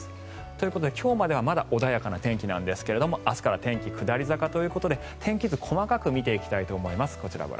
ということで今日まではまだ穏やかな天気なんですが明日から天気は下り坂ということで天気図細かく見ていきたいと思います。